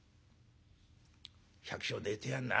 「百姓寝てやんな。